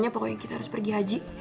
saya belom bisa catastrophic